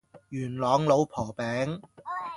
元朗老婆餅